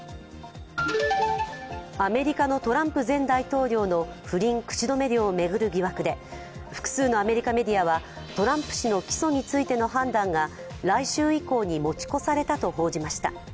アメリカのトランプ前大統領の不倫口止め料を巡る疑惑で複数のアメリカメディアはトランプ氏の起訴についての判断が来週以降に持ち越されたと報じました。